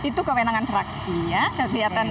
itu kewenangan fraksi ya